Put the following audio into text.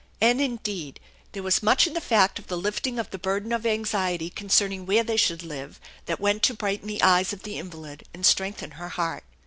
And, indeed, there was much in the fact of the lifting of the burden of anjdety concerning where they should live that went to brighten the eyes of the invalid and strengthen her heart.